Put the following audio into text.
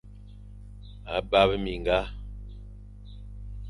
A bap minga.